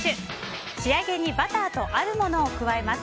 仕上げにバターとあるものを加えます。